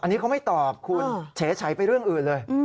อันนี้เขาไม่ตอบคุณเฉยไปเรื่องอื่นเลย